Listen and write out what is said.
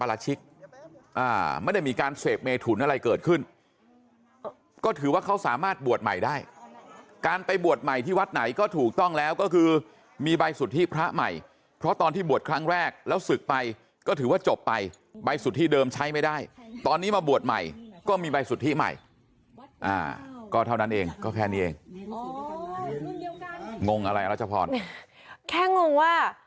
ไม่ได้มีการเสพเมถุนอะไรเกิดขึ้นก็ถือว่าเขาสามารถบวชใหม่ได้การไปบวชใหม่ที่วัดไหนก็ถูกต้องแล้วก็คือมีใบสุทธิพระใหม่เพราะตอนที่บวชครั้งแรกแล้วศึกไปก็ถือว่าจบไปใบสุทธิเดิมใช้ไม่ได้ตอนนี้มาบวชใหม่ก็มีใบสุทธิใหม่ก็เท่านั้นเองก็แค่นี้เองงงอะไรรัชพรแค่งงว่า